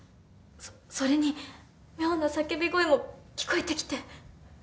それに妙な叫び声も聞こえてきて。